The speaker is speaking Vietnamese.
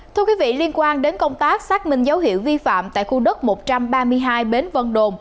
thưa quý vị liên quan đến công tác xác minh dấu hiệu vi phạm tại khu đất một trăm ba mươi hai bến vân đồn